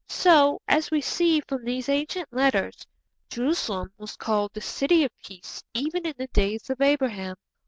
So, as we see from these ancient letters, Jerusalem was called the city of peace even in the days of Abraham.